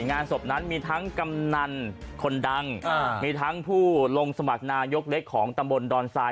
งานศพนั้นมีทั้งกำนันคนดังมีทั้งผู้ลงสมัครนายกเล็กของตำบลดอนทราย